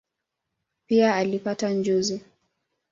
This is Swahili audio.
Pia alipata njozi.